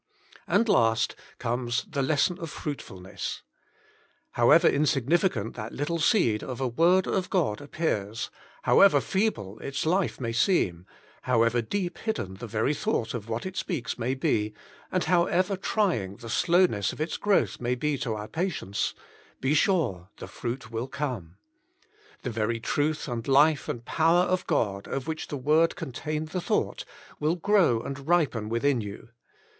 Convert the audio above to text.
And last comes the Lesson of Fruitfulness. However insignificant that little seed of a Word The Seed is the Word 43 of God appears, however feeble its life may seem, however deep hidden the very thought of what it speaks may be, and however trying the slowness of its growth may be to our patience — be sure the fruit will come. The very truth and life and power of God, of which the Word contained the thought, will grow and ripen within you.